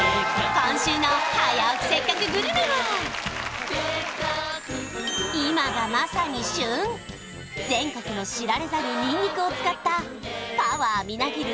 今週の「早起きせっかくグルメ！！」は今がまさに旬全国の知られざるにんにくを使ったパワーみなぎる